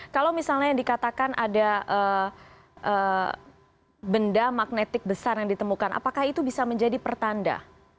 kalau misalnya yang dikatakan ada benda magnetik besar yang ditemukan apakah itu bisa menjadi pertanda